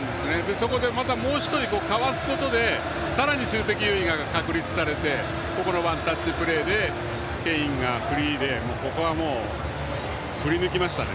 そこで、もう１人かわすことでさらに数的優位が確立されてここのワンタッチプレーでケインがフリーでここは、振り抜きましたね。